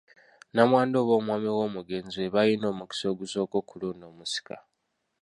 Namwandu oba omwami w’omugenzi be balina omukisa ogusooka okulonda omusika.